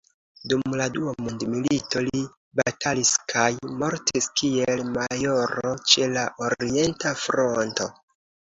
Dum la dua mondmilito li batalis kaj mortis kiel majoro ĉe la orienta fronto.